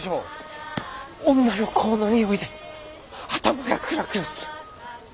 女の香のにおいで頭がクラクラする。